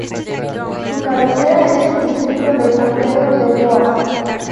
Su cabecera es el distrito de San Pedro de Poás.